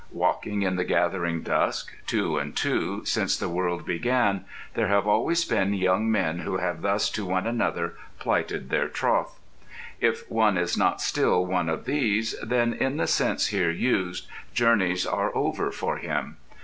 Walking in the gathering dusk, two and two, since the world began, there have always been young men who have thus to one another plighted their troth. If one is not still one of these, then, in the sense here used, journeys are over for him.